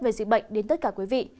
về dịch bệnh đến tất cả quý vị